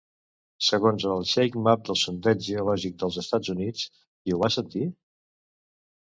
Segons el ShakeMap del Sondeig Geològic dels Estats Units i Ho Vas Sentir?